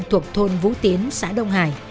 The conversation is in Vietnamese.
thuộc thôn vũ tiến xã đông hải